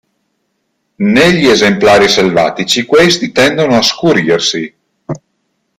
Negli esemplari selvatici questi tendono a scurirsi.